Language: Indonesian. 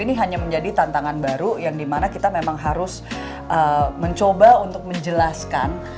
ini hanya menjadi tantangan baru yang dimana kita memang harus mencoba untuk menjelaskan